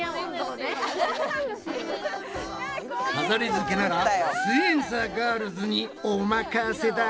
飾りづけならすイエんサーガールズにお任せだ！